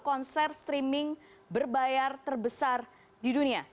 konser streaming berbayar terbesar di dunia